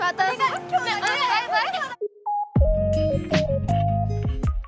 バイバイ。